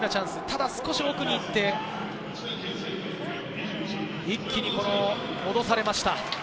ただ少し奥に行って、一気に戻されました。